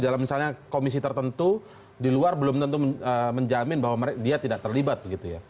dalam misalnya komisi tertentu di luar belum tentu menjamin bahwa dia tidak terlibat begitu ya